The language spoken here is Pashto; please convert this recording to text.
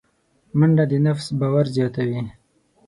منډه د نفس باور زیاتوي